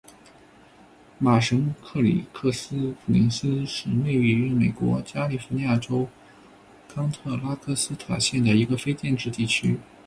马什克里克斯普林斯是位于美国加利福尼亚州康特拉科斯塔县的一个非建制地区。